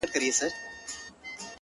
o راته ښكلا راوړي او ساه راكړي،